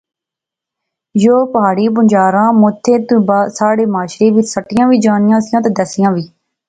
یو پہاڑی بنجاراں مدتیں تھیں ساڑھے معاشرے وچ سٹیاں وی جانیاں سیاں تہ دسیاں وی